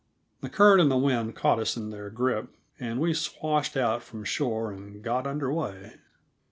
The current and the wind caught us in their grip, and we swashed out from shore and got under way.